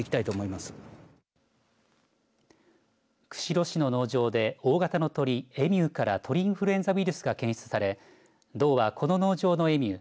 釧路市の農場で大型の鳥、エミューから鳥インフルエンザウイルスが検出され道はこの農場のエミュー